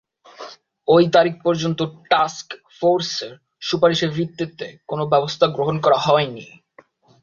ওই তারিখ পর্যন্ত টাস্ক ফোর্সের সুপারিশের ভিত্তিতে কোনো ব্যবস্থা গ্রহণ করা হয় নি।